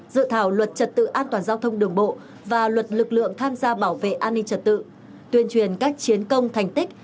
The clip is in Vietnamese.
dự thảo luật trật tự an toàn giao thông đường bộ và luật lực lượng tham gia bảo vệ an ninh trật tự tuyên truyền các chiến công thành tích